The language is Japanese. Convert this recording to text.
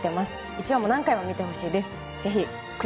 １話も何回も見てほしいです。